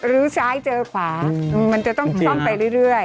ลื้อซ้ายเจอขวามันจะต้องซ่อมไปเรื่อย